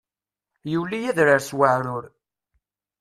Yuli adrar s weεrur.